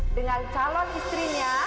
dengan calon istrinya